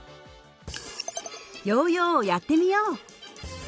ヨーヨーをやってみよう！